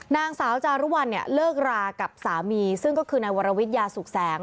นางสาวจารุวัลเนี่ยเลิกรากับสามีซึ่งก็คือนายวรวิทยาสุขแสง